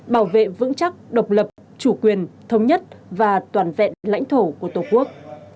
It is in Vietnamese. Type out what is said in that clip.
bảo vệ vững chắc độc lập chủ quyền thống nhất và toàn vẹn lãnh thổ của tổ quốc